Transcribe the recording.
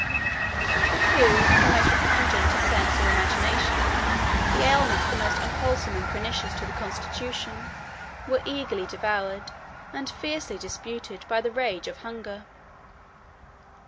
The food the most repugnant to sense or imagination, the aliments the most unwholesome and pernicious to the constitution, were eagerly devoured, and fiercely disputed, by the rage of hunger.